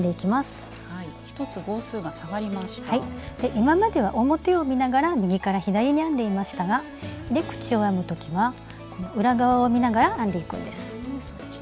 今までは表を見ながら右から左に編んでいましたが入れ口を編む時は裏側を見ながら編んでいくんです。